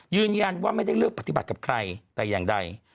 ยืนยันว่าไม่ได้เลือกปฏิบัติกับใครแต่อย่างใด